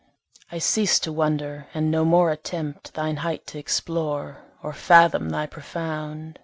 I cease to wonder, and no more attempt Thine height t' explore, or fathom thy profound.